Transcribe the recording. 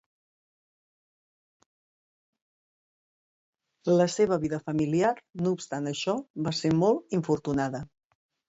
La seva vida familiar, no obstant això, va ser molt infortunada.